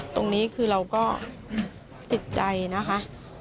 ตรงนี้คือเราก็ติดใจนะคะ